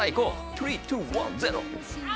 トゥリーツーワンゼロ！